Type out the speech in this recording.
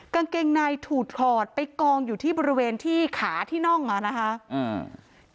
กางเกงในถูดถอดไปกองอยู่ที่บริเวณที่ขาที่น่องอ่ะนะคะอืม